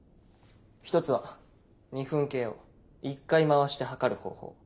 １つは２分計を１回回して計る方法。